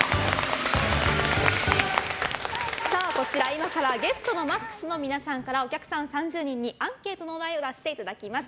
今からゲストのＭＡＸの皆さんからお客さん３０人にアンケートのお題を出していただきます。